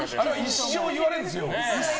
一生言われるんですよ。